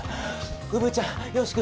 うぶちゃんよし君